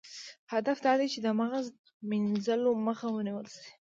هدف دا دی چې د مغز مینځلو مخه ونیول شي.